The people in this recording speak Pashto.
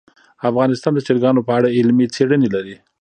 افغانستان د چرګانو په اړه علمي څېړنې لري.